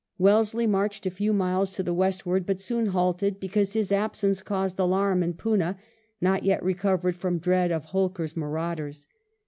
Wellesley marched a few miles to the westward, but soon halted, because his absence caused alarm in Poona, not yet recovered from dread of Holkar's marauders.